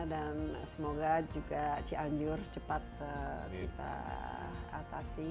dan semoga juga ci anjur cepat kita atasi